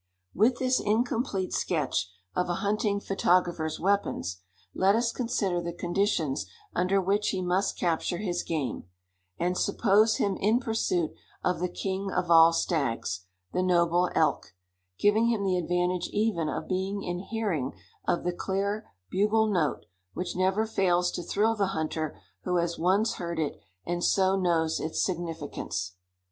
With this incomplete sketch of a hunting photographer's weapons, let us consider the conditions under which he must capture his game; and suppose him in pursuit of the king of all stags, the noble elk, giving him the advantage even of being in hearing of the clear bugle note which never fails to thrill the hunter who has once heard it and so knows its significance.